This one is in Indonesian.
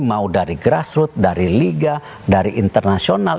mau dari grassroot dari liga dari internasional